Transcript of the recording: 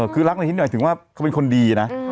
คือรักในฮิตหน่อยถึงว่าเขาเป็นคนดีนะ